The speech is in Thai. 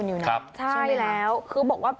ต้องใช้ใจฟัง